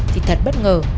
thì thật bất ngờ